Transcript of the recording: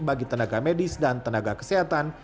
bagi tenaga medis dan tenaga kesehatan